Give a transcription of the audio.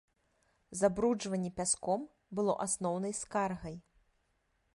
Забруджванне пяском было асноўнай скаргай.